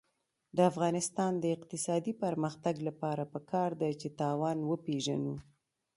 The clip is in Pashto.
د افغانستان د اقتصادي پرمختګ لپاره پکار ده چې تاوان وپېژنو.